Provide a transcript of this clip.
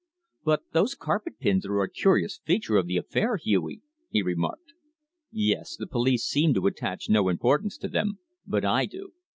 "But those carpet pins are a curious feature of the affair, Hughie," he remarked. "Yes. The police seem to attach no importance to them but I do."